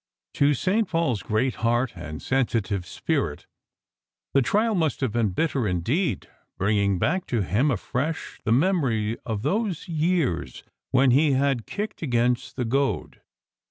To St. Paul's great heart and sensitive spirit the trial must have been bitter indeed, bringing back to him afresh the memory of those years when he had " kicked against the goad."